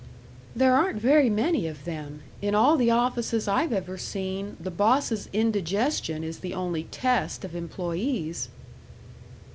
"There aren't very many of them. In all the offices I've ever seen, the boss's indigestion is the only test of employees."